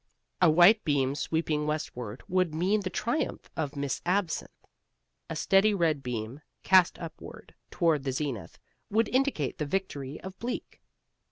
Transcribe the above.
A white beam sweeping westward would mean the triumph of Miss Absinthe. A steady red beam cast upward toward the zenith would indicate the victory of Bleak.